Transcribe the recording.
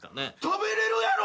食べれるやろ！